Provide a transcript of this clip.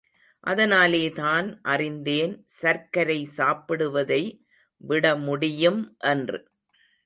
அதனாலேதான் அறிந்தேன் சர்க்கரை சாப்பிடுவதை விடமுடியும் என்று.